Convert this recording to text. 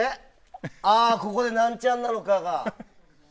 ああ、ここで何チャンなのかが。